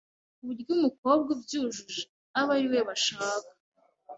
kuburyo umukobwa ubyujuje aba ariwe bashaka